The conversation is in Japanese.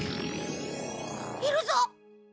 いるぞ！